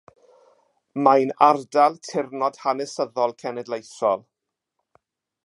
Mae'n Ardal Tirnod Hanesyddol Cenedlaethol.